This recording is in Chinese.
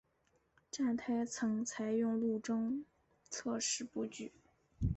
站台层采用路中侧式布局。